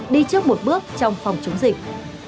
đi trước một bước trong phòng chống dịch